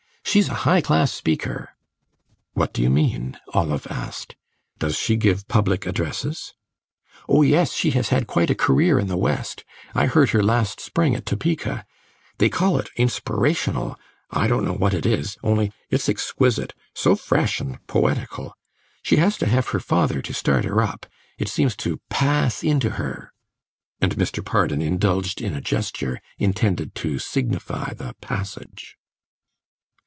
She's a high class speaker." "What do you mean?" Olive asked. "Does she give public addresses?" "Oh yes, she has had quite a career in the West. I heard her last spring at Topeka. They call it inspirational. I don't know what it is only it's exquisite; so fresh and poetical. She has to have her father to start her up. It seems to pass into her." And Mr. Pardon indulged in a gesture intended to signify the passage.